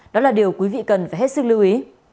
đó là điều quý vị cần phải hết sức lưu ý